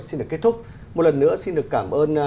xin được kết thúc một lần nữa xin được cảm ơn